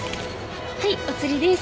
はいお釣りです。